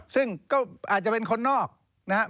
ซึ่งก็อาจจะเป็นคนนอกนะครับ